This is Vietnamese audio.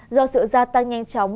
do sự gia tăng nhanh chóng